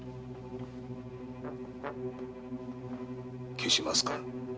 消しますか？